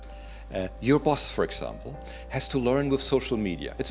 pertama kita harus belajar dengan media sosial